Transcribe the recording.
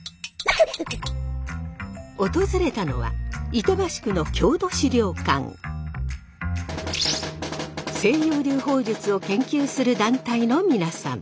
訪れたのは西洋流砲術を研究する団体の皆さん。